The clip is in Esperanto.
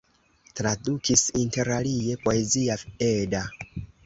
Tradukis interalie Poezia Edda.